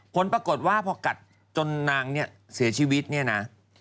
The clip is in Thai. ผลปรากฏว่าพอกัดจนนางเนี่ยเสียชีวิตเนี่ยนะ